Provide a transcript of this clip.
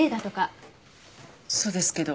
そうですけど。